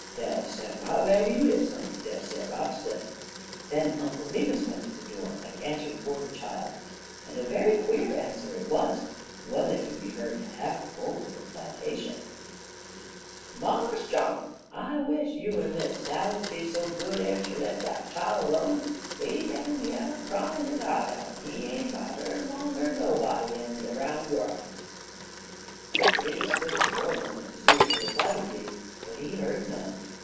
"Des set right whar you is, honey des set right still." Then Uncle Remus went to the door and answered for the child; and a very queer answer it was one that could be heard half over the plantation: "Mars John, I wish you en Miss Sally be so good ez ter let dat chile 'lone. He down yer cryin' he eyes out, en he ain't boddern' 'long er nobody in de roun' worl'." Uncle Remus stood in the door a moment to see what the reply would be, but he heard none.